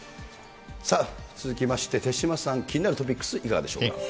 さあ、続きまして手嶋さん、気になるトピックス、いかがでしょうか。